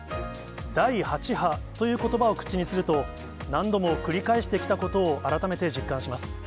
第８波ということばを口にすると、何度も繰り返してきたことを、改めて実感します。